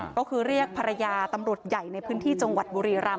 ก็คือเรียกภรรยาตำรวจใหญ่ในพื้นที่จังหวัดบุรีรำ